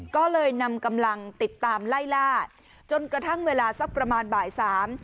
ก็เลยนำกำลังติดตามไล่ล่าจนกระทั่งเวลาสักประมาณบ่ายสาม